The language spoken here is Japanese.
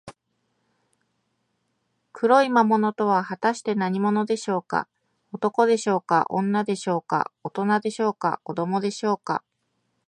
黒い魔物とは、はたして何者でしょうか。男でしょうか、女でしょうか、おとなでしょうか、子どもでしょうか。